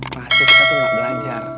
pasti kita tuh gak belajar